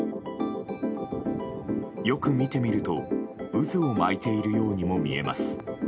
よく見てみると渦を巻いているようにも見えます。